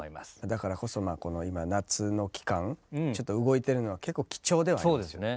だからこそまあこの今夏の期間ちょっと動いてるのは結構貴重ではありますよね。